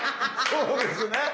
そうですね。